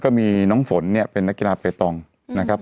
ก็มีน้องฝนเนี่ยเป็นนักกีฬาเฟตองนะครับ